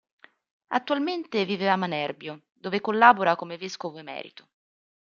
Attualmente vive a Manerbio, dove collabora come vescovo emerito.